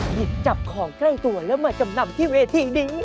หยิบจับของใกล้ตัวแล้วมาจำนำที่เวทีนี้